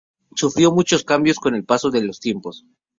Sufrió muchos cambios con el paso de los tiempos.